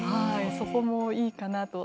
そこもいいかなと。